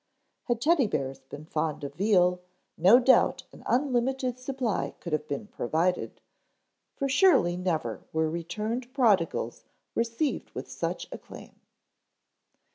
Had Teddy bears been fond of veal, no doubt an unlimited supply could have been provided, for surely never were returned prodigals received with such acclaim.